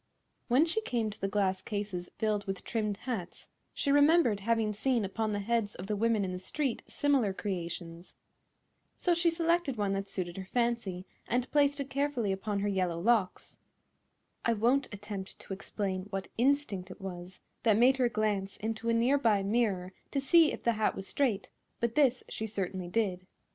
When she came to the glass cases filled with trimmed hats she remembered having seen upon the heads of the women in the street similar creations. So she selected one that suited her fancy and placed it carefully upon her yellow locks. I won't attempt to explain what instinct it was that made her glance into a near by mirror to see if the hat was straight, but this she certainly did.